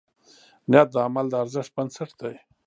نیت د عمل د ارزښت بنسټ دی.